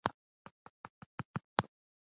د ملالۍ کورنۍ لا اوس هم هلته ده.